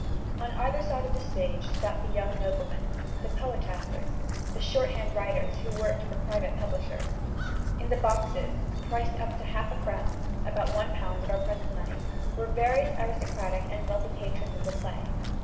On either side of the stage sat the young noblemen, the poetasters, and the shorthand writers who worked for private publishers. In the boxes priced up to half a crown (about £1 of our present money) were various aristocratic and wealthy patrons of the play.